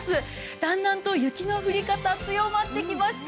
だんだんと雪の降り方、強まってきました。